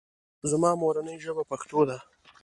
زما مورنۍ ژبه پښتو ده